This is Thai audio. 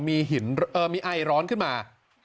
มีไอร้อนขึ้นมา